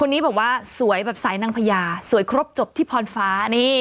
นี้บอกว่าสวยแบบสายนางพญาสวยครบจบที่พรฟ้านี่